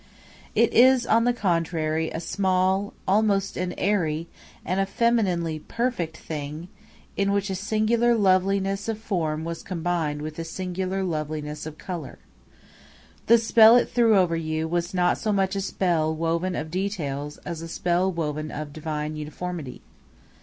It is, on the contrary, a small, almost an airy, and a femininely perfect thing, in which a singular loveliness of form was combined with a singular loveliness of color. The spell it threw over you was not so much a spell woven of details as a spell woven of divine uniformity.